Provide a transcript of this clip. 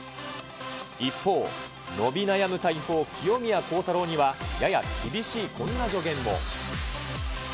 一方、伸び悩む大砲、清宮幸太郎にはやや厳しいこんな助言も。